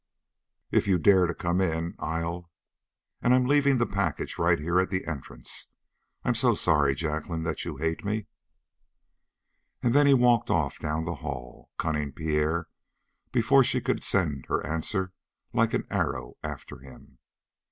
"If you dare to come in I'll " "And I'm leaving the package right here at the entrance. I'm so sorry, Jacqueline, that you hate me." And then he walked off down the hall cunning Pierre before she could send her answer like an arrow after him.